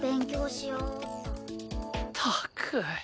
ったく。